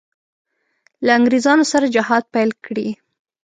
له انګرېزانو سره جهاد پیل کړي.